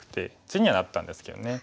地にはなったんですけどね。